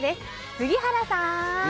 杉原さん！